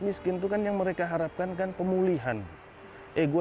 di daerah sana